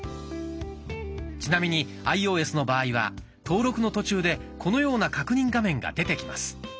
ちなみにアイオーエスの場合は登録の途中でこのような確認画面が出てきます。